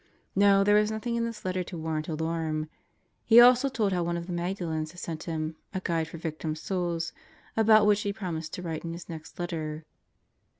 No, there was nothing in this letter to warrant alarm. He also told how one of the Magdalens had sent him A Guide for Victim Souls about which he promised to write in his next letter.